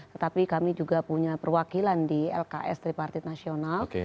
tetapi kami juga punya perwakilan di lks tripartit nasional